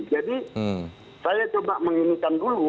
jadi saya coba menginginkan dulu